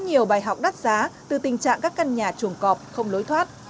có nhiều bài học đắt giá từ tình trạng các căn nhà trùng cọp không nối thoát